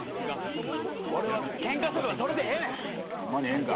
俺はケンカしとけばそれでええねん。ホンマにええんか？